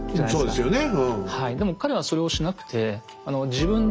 そうですね。